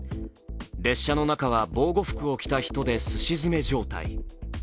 列車の中は防護服を着た人ですし詰め状態。